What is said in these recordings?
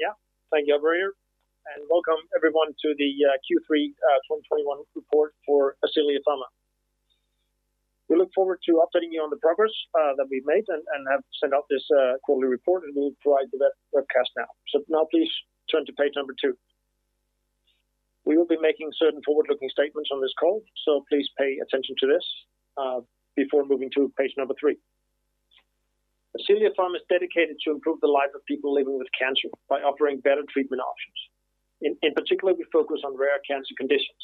Yeah. Thank you, Abrayer. Welcome everyone to the Q3 2021 report for Ascelia Pharma. We look forward to updating you on the progress that we've made and have sent out this quarterly report, and we'll provide the webcast now. Now please turn to page two. We will be making certain forward-looking statements on this call, so please pay attention to this before moving to page three. Ascelia Pharma is dedicated to improve the life of people living with cancer by offering better treatment options. In particular, we focus on rare cancer conditions.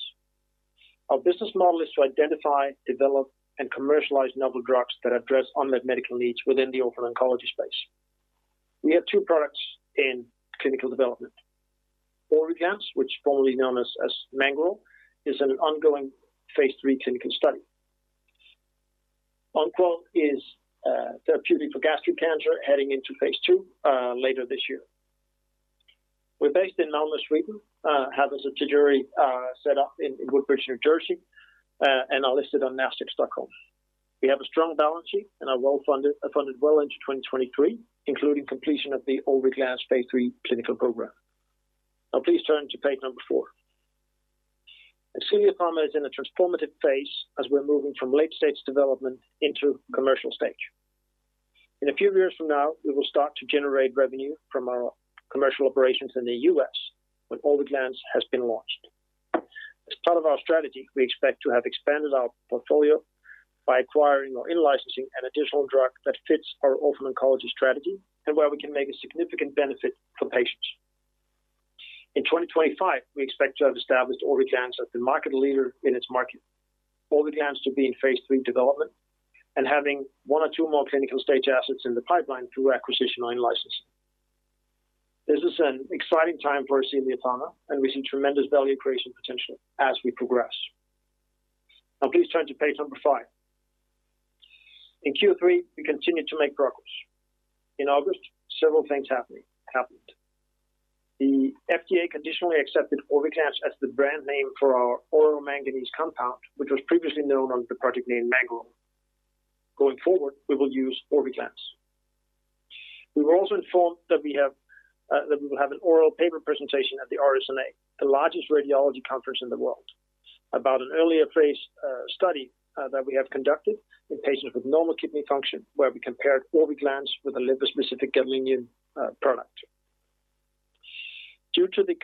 Our business model is to identify, develop, and commercialize novel drugs that address unmet medical needs within the orphan oncology space. We have two products in clinical development. Orviglance, which formerly known as Mangoral, is an ongoing phase III clinical study. Oncoral is a therapy for gastric cancer heading into phase II later this year. We're based in Malmö, Sweden, have a subsidiary set up in Woodbridge, New Jersey, and are listed on nasdaq.com. We have a strong balance sheet and are well-funded, funded well into 2023, including completion of the Orviglance phase III clinical program. Now please turn to page four. Ascelia Pharma is in a transformative phase as we're moving from late stage development into commercial stage. In a few years from now, we will start to generate revenue from our commercial operations in the U.S. when Orviglance has been launched. As part of our strategy, we expect to have expanded our portfolio by acquiring or in-licensing an additional drug that fits our orphan oncology strategy and where we can make a significant benefit for patients. In 2025, we expect to have established Orviglance as the market leader in its market, Orviglance to be in phase III development, and having one or two more clinical stage assets in the pipeline through acquisition or in-license. This is an exciting time for Ascelia Pharma, and we see tremendous value creation potential as we progress. Now please turn to page five. In Q3, we continued to make progress. In August, several things happened. The FDA conditionally accepted Orviglance as the brand name for our oral manganese compound, which was previously known under the project name Mangoral. Going forward, we will use Orviglance. We were also informed that we will have an oral paper presentation at the RSNA, the largest radiology conference in the world, about an earlier phase study that we have conducted in patients with normal kidney function, where we compared Orviglance with a liver-specific gadolinium product. Due to the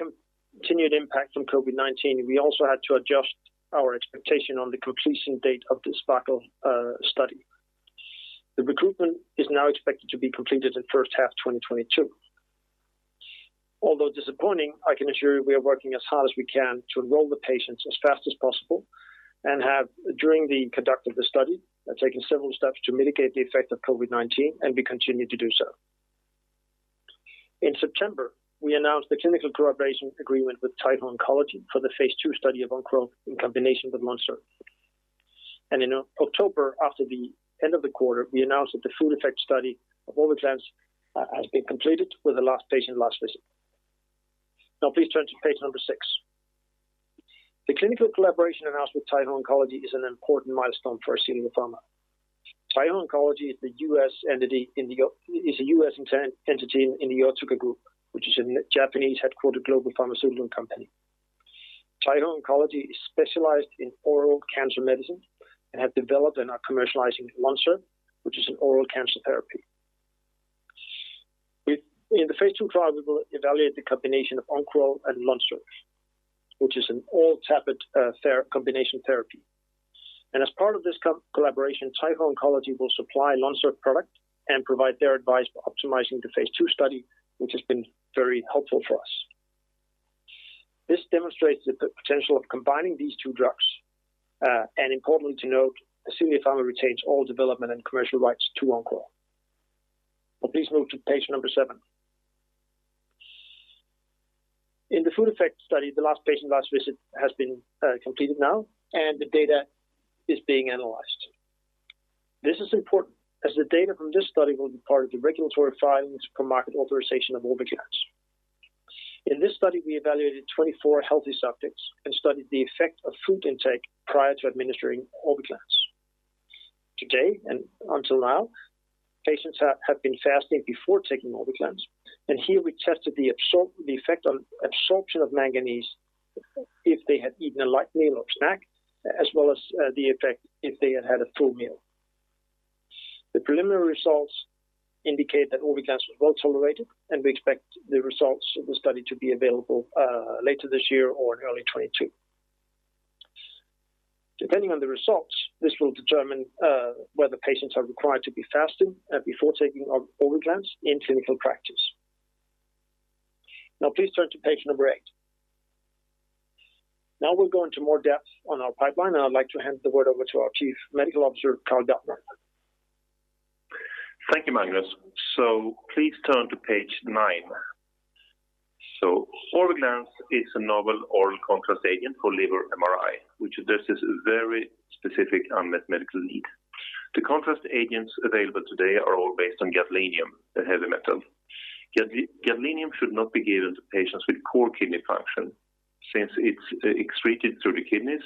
continued impact from COVID-19, we also had to adjust our expectation on the completion date of the SPARKLE study. The recruitment is now expected to be completed in first half 2022. Although disappointing, I can assure you we are working as hard as we can to enroll the patients as fast as possible and have, during the conduct of the study, taken several steps to mitigate the effect of COVID-19, and we continue to do so. In September, we announced the clinical collaboration agreement with Taiho Oncology for the phase II study of Oncoral in combination with LONSURF. In October, after the end of the quarter, we announced that the food effect study of Orviglance has been completed with the last patient last visit. Now please turn to page number six. The clinical collaboration announced with Taiho Oncology is an important milestone for Ascelia Pharma. Taiho Oncology is a US entity in the Otsuka Group, which is a Japanese-headquartered global pharmaceutical company. Taiho Oncology is specialized in oral cancer medicine and have developed and are commercializing LONSURF, which is an oral cancer therapy. In the phase II trial, we will evaluate the combination of Oncoral and LONSURF, which is an oral tablet combination therapy. As part of this collaboration, Taiho Oncology will supply LONSURF product and provide their advice for optimizing the phase II study, which has been very helpful for us. This demonstrates the potential of combining these two drugs. Importantly to note, Ascelia Pharma retains all development and commercial rights to Oncoral. Now please move to page number seven. In the food effect study, the last patient last visit has been completed now, and the data is being analyzed. This is important as the data from this study will be part of the regulatory filings for market authorization of Orviglance. In this study, we evaluated 24 healthy subjects and studied the effect of food intake prior to administering Orviglance. To date and until now, patients have been fasting before taking Orviglance, and here we tested the effect on absorption of manganese if they had eaten a light meal or snack, as well as the effect if they had had a full meal. The preliminary results indicate that Orviglance was well-tolerated, and we expect the results of the study to be available later this year or in early 2022. Depending on the results, this will determine whether patients are required to be fasting before taking Orviglance in clinical practice. Now please turn to page number eight. Now we'll go into more depth on our pipeline, and I'd like to hand the word over to our Chief Medical Officer, Carl Bjartmar. Thank you, Magnus. Please turn to page nine. Orviglance is a novel oral contrast agent for liver MRI, which addresses a very specific unmet medical need. The contrast agents available today are all based on gadolinium, a heavy metal. Gadolinium should not be given to patients with poor kidney function since it's excreted through the kidneys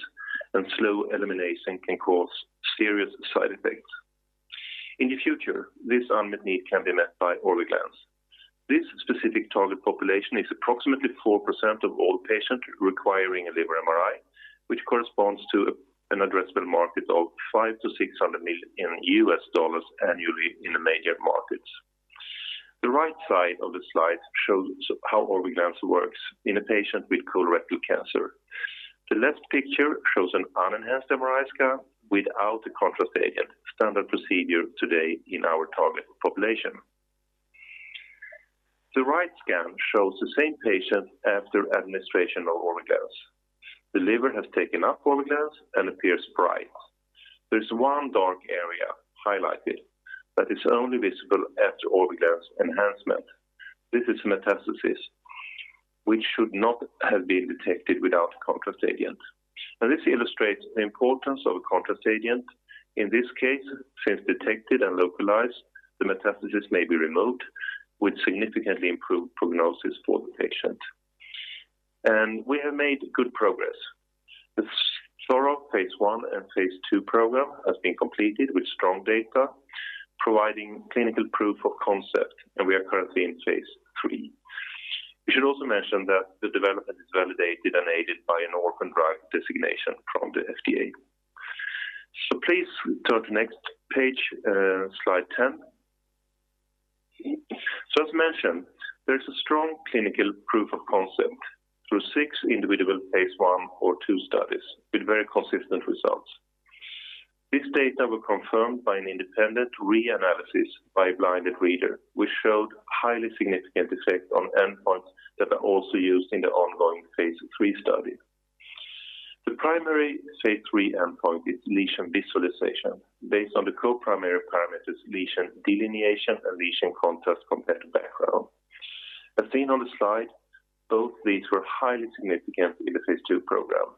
and slow elimination can cause serious side effects. In the future, this unmet need can be met by Orviglance. This specific target population is approximately 4% of all patients requiring a liver MRI, which corresponds to an addressable market of $500 million-$600 million annually in the major markets. The right side of the slide shows how Orviglance works in a patient with colorectal cancer. The left picture shows an unenhanced MRI scan without the contrast agent, standard procedure today in our target population. The right scan shows the same patient after administration of Orviglance. The liver has taken up Orviglance and appears bright. There's one dark area highlighted, but it's only visible after Orviglance enhancement. This is metastasis, which should not have been detected without contrast agent. Now, this illustrates the importance of a contrast agent. In this case, since detected and localized, the metastasis may be removed, which significantly improved prognosis for the patient. We have made good progress. The thorough phase I and phase II program has been completed with strong data, providing clinical proof of concept, and we are currently in phase III. We should also mention that the development is validated and aided by an orphan drug designation from the FDA. Please turn to the next page, slide ten. As mentioned, there is a strong clinical proof of concept through six individual phase I or II studies with very consistent results. These data were confirmed by an independent re-analysis by a blinded reader, which showed highly significant effect on endpoints that are also used in the ongoing phase III study. The primary phase III endpoint is lesion visualization based on the co-primary parameters, lesion delineation, and lesion contrast compared to background. As seen on the slide, both these were highly significant in the phase II program.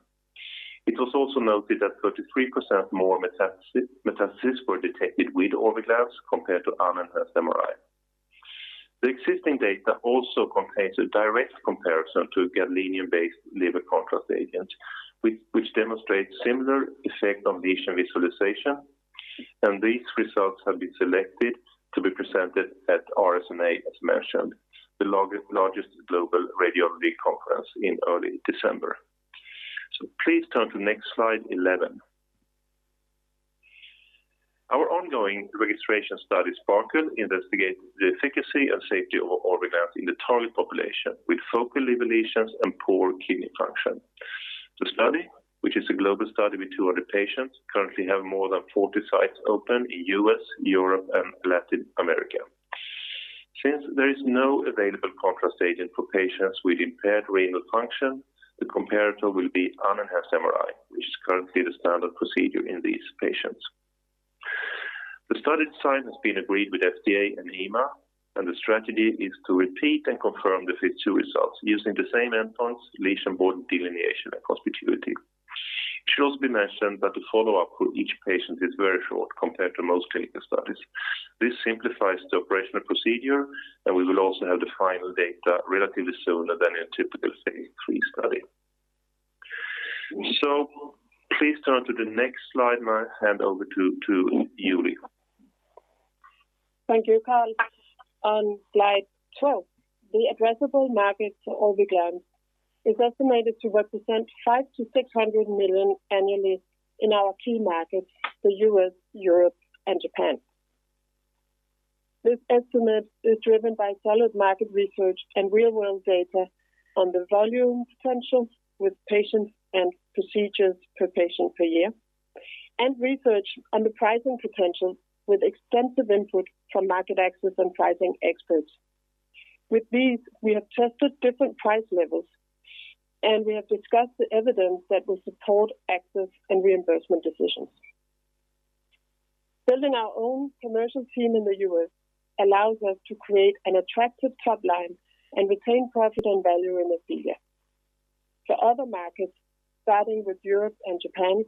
It was also noted that 33% more metastasis were detected with Orviglance compared to unenhanced MRI. The existing data also contains a direct comparison to gadolinium-based liver contrast agents, which demonstrate similar effect on lesion visualization, and these results have been selected to be presented at RSNA, as mentioned, the largest global radiology conference in early December. Please turn to the next slide, 11. Our ongoing registration study, SPARKLE, investigates the efficacy and safety of Orviglance in the target population with focal liver lesions and poor kidney function. The study, which is a global study with 200 patients, currently have more than 40 sites open in U.S., Europe, and Latin America. Since there is no available contrast agent for patients with impaired renal function, the comparator will be unenhanced MRI, which is currently the standard procedure in these patients. The study design has been agreed with FDA and EMA, and the strategy is to repeat and confirm the phase II results using the same endpoints, lesion border delineation, and conspicuity. It should also be mentioned that the follow-up for each patient is very short compared to most clinical studies. This simplifies the operational procedure, and we will also have the final data relatively sooner than a typical phase III study. Please turn to the next slide. I'll hand over to Julie. Thank you, Carl. On slide 12, the addressable market for Orviglance is estimated to represent $500-$600 million annually in our key markets, the U.S., Europe, and Japan. This estimate is driven by solid market research and real-world data on the volume potential with patients and procedures per patient per year, and research on the pricing potential with extensive input from market access and pricing experts. With these, we have tested different price levels, and we have discussed the evidence that will support access and reimbursement decisions. Building our own commercial team in the U.S. allows us to create an attractive top line and retain profit and value in Ascelia. For other markets, starting with Europe and Japan,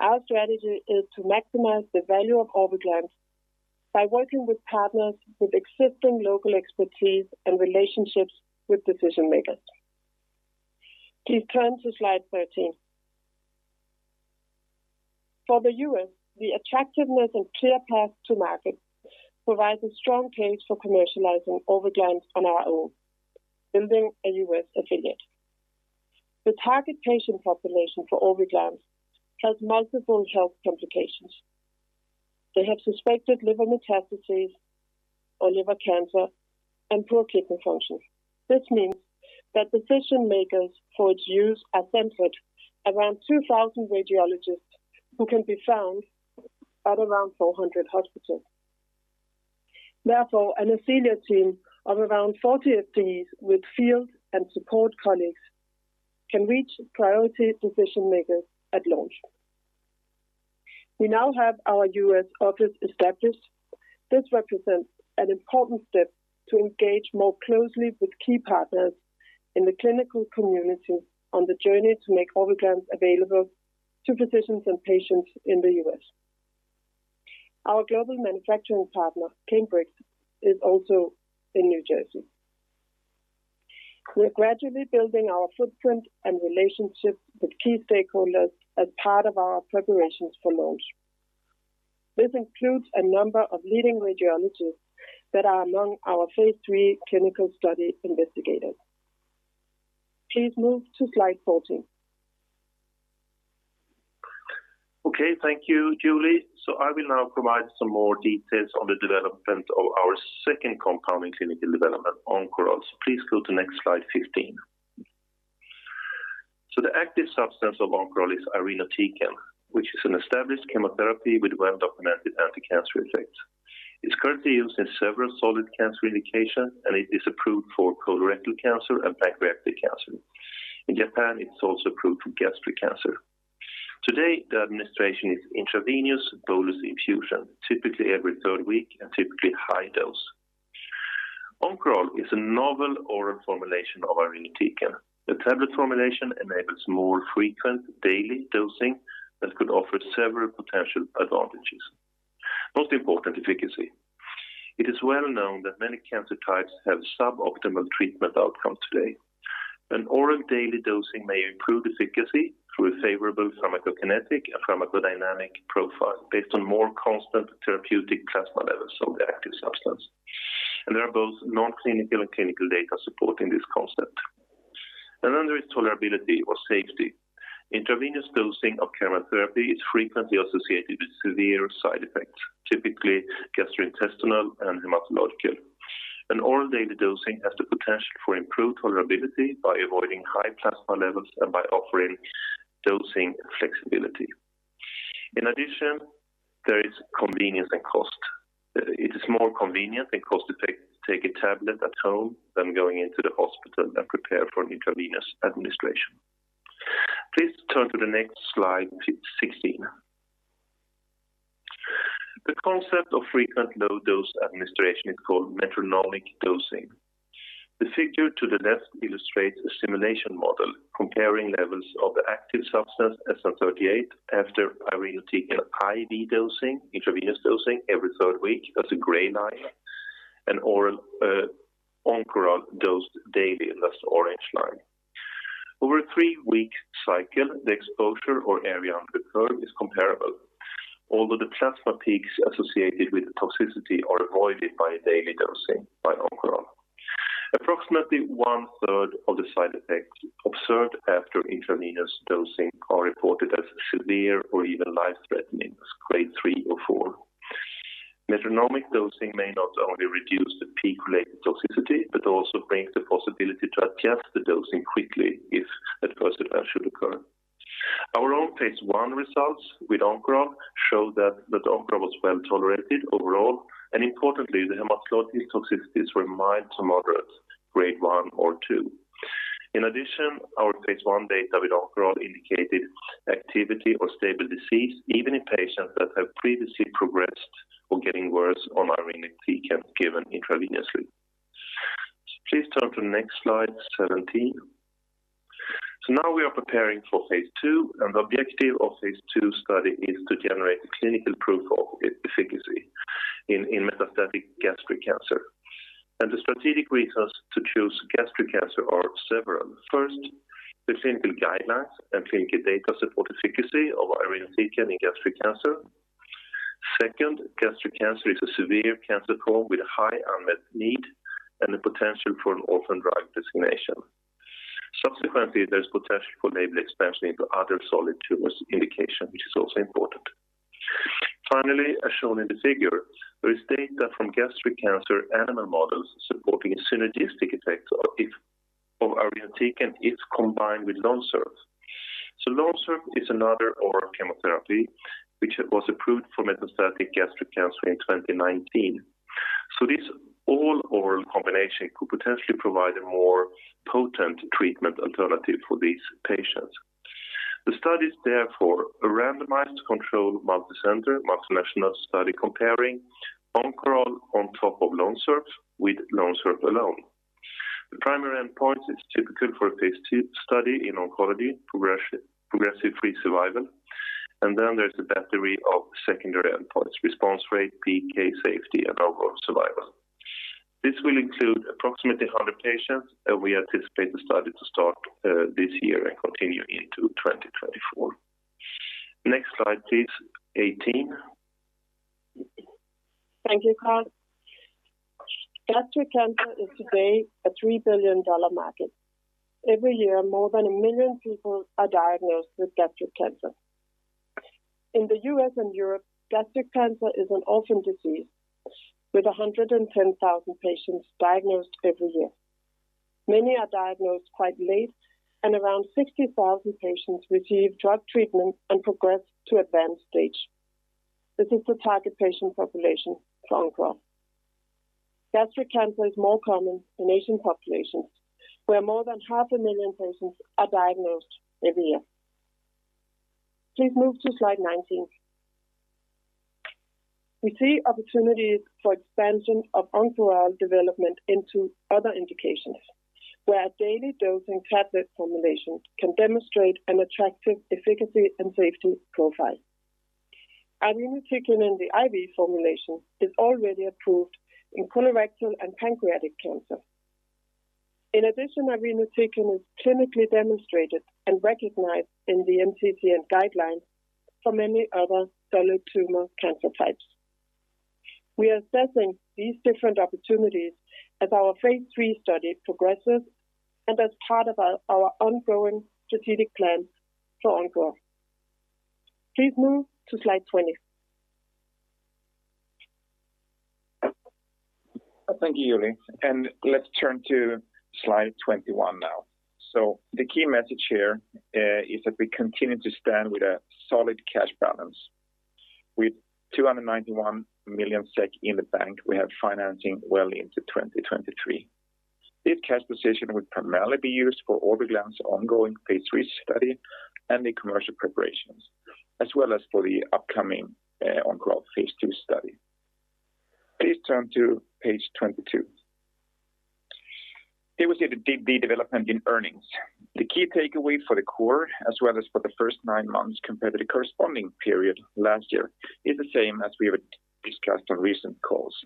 our strategy is to maximize the value of Orviglance by working with partners with existing local expertise and relationships with decision-makers. Please turn to slide 13. For the U.S., the attractiveness and clear path to market provides a strong case for commercializing Orviglance on our own, building a U.S. affiliate. The target patient population for Orviglance has multiple health complications. They have suspected liver metastases or liver cancer and poor kidney function. This means that decision makers for its use are centered around 2,000 radiologists who can be found at around 400 hospitals. Therefore, an affiliate team of around 40 FTEs with field and support colleagues can reach priority decision makers at launch. We now have our U.S. office established. This represents an important step to engage more closely with key partners in the clinical community on the journey to make Orviglance available to physicians and patients in the U.S. Our global manufacturing partner, Cambrex, is also in New Jersey. We are gradually building our footprint and relationships with key stakeholders as part of our preparations for launch. This includes a number of leading radiologists that are among our phase III clinical study investigators. Please move to slide 14. Okay, thank you, Julie. I will now provide some more details on the development of our second compound in clinical development, Oncoral. Please go to next slide 15. The active substance of Oncoral is irinotecan, which is an established chemotherapy with well-documented anticancer effects. It's currently used in several solid cancer indications, and it is approved for colorectal cancer and pancreatic cancer. In Japan, it's also approved for gastric cancer. Today, the administration is intravenous bolus infusion, typically every third week and typically high dose. Oncoral is a novel oral formulation of irinotecan. The tablet formulation enables more frequent daily dosing that could offer several potential advantages. Most important, efficacy. It is well known that many cancer types have suboptimal treatment outcomes today. An oral daily dosing may improve efficacy through a favorable pharmacokinetic and pharmacodynamic profile based on more constant therapeutic plasma levels of the active substance. There are both non-clinical and clinical data supporting this concept. Another is tolerability or safety. Intravenous dosing of chemotherapy is frequently associated with severe side effects, typically gastrointestinal and hematological. An oral daily dosing has the potential for improved tolerability by avoiding high plasma levels and by offering dosing flexibility. In addition, there is convenience and cost. It is more convenient and cost-effective to take a tablet at home than going into the hospital and prepare for an intravenous administration. Please turn to the next slide, 16. The concept of frequent low-dose administration is called metronomic dosing. The figure to the left illustrates a simulation model comparing levels of the active substance, SN38, after irinotecan IV dosing every third week. That's the gray line. Oral Oncoral dosed daily, that's the orange line. Over a three-week cycle, the exposure or area under the curve is comparable, although the plasma peaks associated with the toxicity are avoided by daily dosing by Oncoral. Approximately one-third of the side effects observed after intravenous dosing are reported as severe or even life-threatening, grade three or four. Metronomic dosing may not only reduce the peak-related toxicity but also brings the possibility to adjust the dosing quickly if adverse events should occur. Our own phase I results with Oncoral show that the Oncoral was well-tolerated overall, and importantly, the hematologic toxicities were mild to moderate, grade one or two. In addition, our phase I data with Oncoral indicated activity or stable disease even in patients that have previously progressed or getting worse on irinotecan given intravenously. Please turn to the next slide 17. Now we are preparing for phase II, and the objective of phase II study is to generate the clinical proof of efficacy in metastatic gastric cancer. The strategic reasons to choose gastric cancer are several. First, the clinical guidelines and clinical data support efficacy of irinotecan in gastric cancer. Second, gastric cancer is a severe cancer form with high unmet need and the potential for an orphan drug designation. Subsequently, there's potential for label expansion into other solid tumors indication, which is also important. Finally, as shown in the figure, there is data from gastric cancer animal models supporting a synergistic effect of irinotecan if combined with LONSURF. LONSURF is another oral chemotherapy which was approved for metastatic gastric cancer in 2019. This all-oral combination could potentially provide a more potent treatment alternative for these patients. The study is therefore a randomized controlled multicenter, multinational study comparing Oncoral on top of LONSURF with LONSURF alone. The primary endpoint is typical for a phase II study in oncology, progression-free survival. There's a battery of secondary endpoints, response rate, PK, safety, and overall survival. This will include approximately 100 patients, and we anticipate the study to start this year and continue into 2024. Next slide, please. Eighteen. Thank you, Carl. Gastric cancer is today a $3 billion market. Every year, more than 1 million people are diagnosed with gastric cancer. In the U.S. and Europe, gastric cancer is an orphan disease with 110,000 patients diagnosed every year. Many are diagnosed quite late, and around 60,000 patients receive drug treatment and progress to advanced stage. This is the target patient population for Oncoral. Gastric cancer is more common in Asian populations, where more than 500,000 patients are diagnosed every year. Please move to slide 19. We see opportunities for expansion of Oncoral development into other indications, where a daily dosing tablet formulation can demonstrate an attractive efficacy and safety profile. Irinotecan in the IV formulation is already approved in colorectal and pancreatic cancer. In addition, irinotecan is clinically demonstrated and recognized in the NCCN guidelines for many other solid tumor cancer types. We are assessing these different opportunities as our phase III study progresses and as part of our ongoing strategic plan for Oncoral. Please move to slide 20. Thank you, Julie. Let's turn to slide 21 now. The key message here is that we continue to stand with a solid cash balance. With 291 million SEK in the bank, we have financing well into 2023. This cash position would primarily be used for Orviglance ongoing phase III study and the commercial preparations, as well as for the upcoming Oncoral phase II study. Please turn to page 22. Here we see the development in earnings. The key takeaway for Q3 as well as for the first nine months compared to the corresponding period last year is the same as we have discussed on recent calls.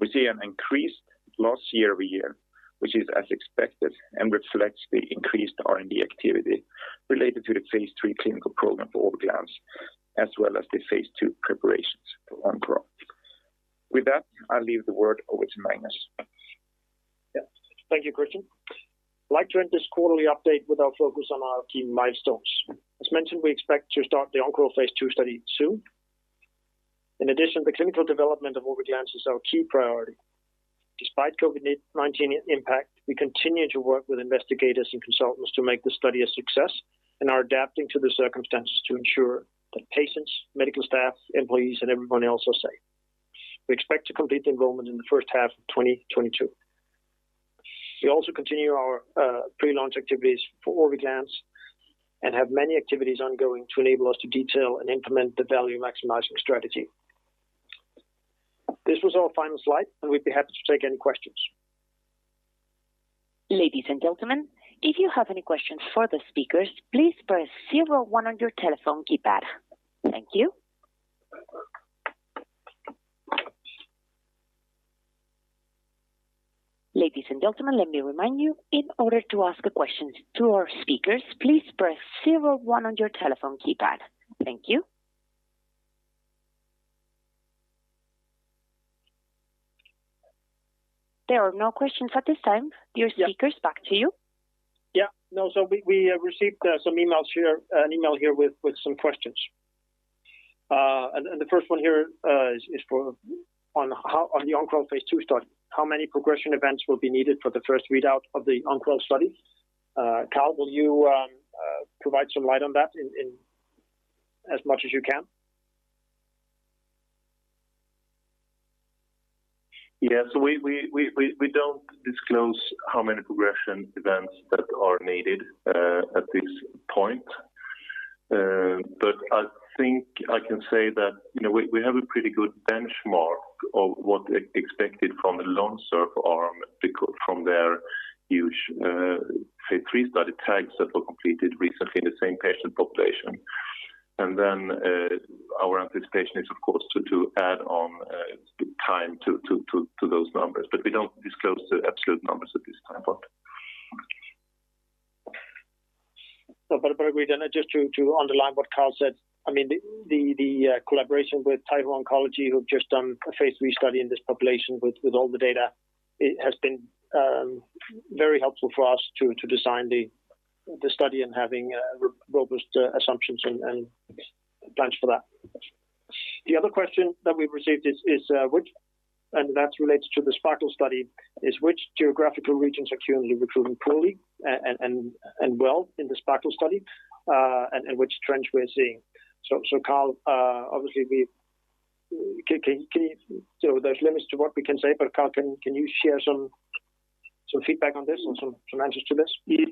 We see an increased loss year-over-year, which is as expected, and reflects the increased R&D activity related to the phase III clinical program for Orviglance, as well as the phase II preparations for Oncoral. With that, I hand the word over to Magnus. Yeah. Thank you, Christian. I'd like to end this quarterly update with our focus on our key milestones. As mentioned, we expect to start the Oncoral phase II study soon. In addition, the clinical development of Orviglance is our key priority. Despite COVID-19 impact, we continue to work with investigators and consultants to make the study a success, and are adapting to the circumstances to ensure that patients, medical staff, employees, and everyone else are safe. We expect to complete the enrollment in the first half of 2022. We also continue our pre-launch activities for Orviglance and have many activities ongoing to enable us to detail and implement the value-maximizing strategy. This was our final slide, and we'd be happy to take any questions. Ladies and gentlemen, if you have any questions for the speakers, please press zero one on your telephone keypad. Thank you. Ladies and gentlemen, let me remind you, in order to ask a question to our speakers, please press zero one on your telephone keypad. Thank you. There are no questions at this time. Yeah. Dear speakers, back to you. We received some emails here, an email here with some questions. The first one here is on the Oncoral phase II study, how many progression events will be needed for the first readout of the Oncoral study? Carl, will you provide some light on that in as much as you can? We don't disclose how many progression events that are needed at this point. I think I can say that, you know, we have a pretty good benchmark of what expected from the LONSURF arm from their huge phase III study TAGS that were completed recently in the same patient population. Our anticipation is, of course, to those numbers. We don't disclose the absolute numbers at this time. Just to underline what Carl said, I mean, the collaboration with Taiho Oncology, who've just done a phase III study in this population with all the data, it has been very helpful for us to design the study and having robust assumptions and plans for that. The other question that we've received, and that's related to the SPARKLE study, is which geographical regions are currently recruiting poorly and well in the SPARKLE study and which trends we're seeing. Carl, there's limits to what we can say, but Carl, can you share some feedback on this or some answers to this? Yeah.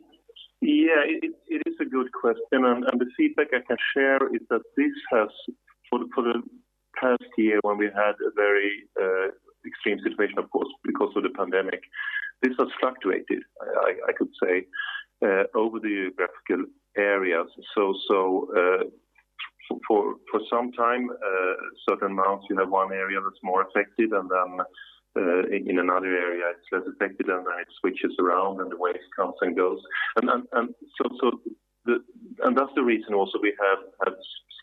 It is a good question, and the feedback I can share is that this has for the past year when we had a very extreme situation of course because of the pandemic, this has fluctuated. I could say over the geographical areas. For some time, certain months you have one area that's more affected and then in another area it's less affected and then it switches around and the wave comes and goes. That's the reason also we have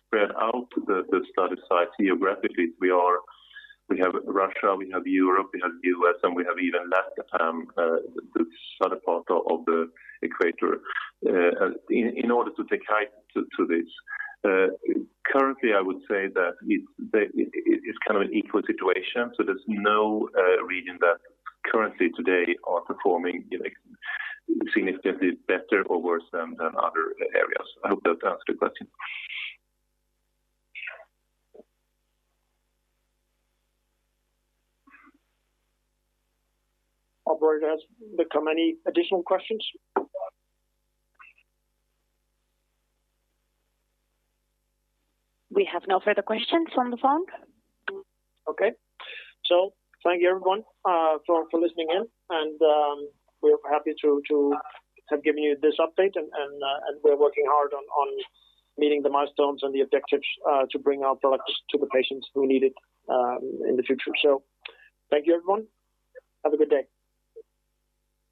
spread out the study sites geographically. We have Russia, we have Europe, we have U.S., and we have the southern part of the equator in order to take heed to this. Currently I would say that it's kind of an equal situation, so there's no region that currently today are performing, you know, significantly better or worse than other areas. I hope that answered the question. Operator, has there been any additional questions? We have no further questions from the phone. Okay. Thank you everyone for listening in. We're happy to have given you this update and we're working hard on meeting the milestones and the objectives to bring our products to the patients who need it in the future. Thank you everyone. Have a good day.